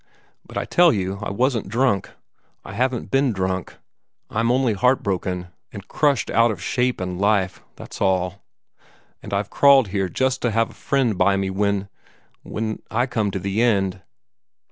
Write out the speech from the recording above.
But I tell you I wasn't drunk. I haven't been drunk. I'm only heart broken, and crushed out of shape and life that's all. And I've crawled here just to have a friend by me when when I come to the end."